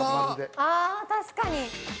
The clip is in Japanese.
ああ、確かに。